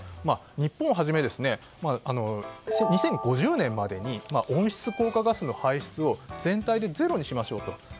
日本をはじめ２０５０年までに温室効果ガスの排出を全体でゼロにしましょうと。